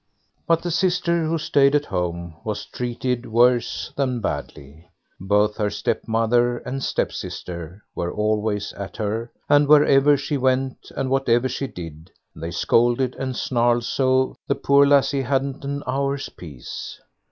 But the sister who stayed at home was treated worse than badly; both her stepmother and stepsister were always at her, and wherever she went, and whatever she did, they scolded and snarled so, the poor lassie hadn't an hour's peace.